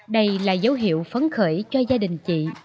đây là dấu hiệu phấn khởi cho gia đình chị